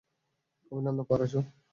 অভিনন্দন, পারাসু।